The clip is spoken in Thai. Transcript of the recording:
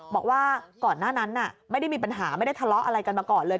บอกว่าก่อนหน้านั้นไม่ได้มีปัญหาไม่ได้ทะเลาะอะไรกันมาก่อนเลย